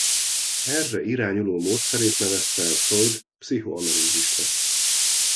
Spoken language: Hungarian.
Erre irányuló módszerét nevezte el Freud pszichoanalízisnek.